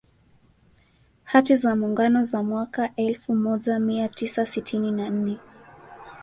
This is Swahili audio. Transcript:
Hati za Muungano za mwaka elfu mojaia Tisa sitini na nne